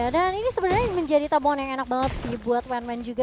dan ini sebenarnya menjadi tambahan yang enak banget sih buat wan wan juga